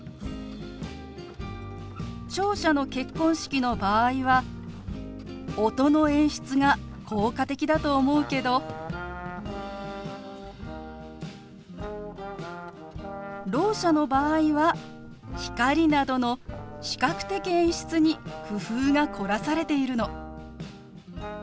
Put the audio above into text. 聴者の結婚式の場合は音の演出が効果的だと思うけどろう者の場合は光などの視覚的演出に工夫が凝らされているの。